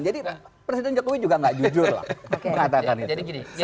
jadi presiden jokowi juga tidak jujur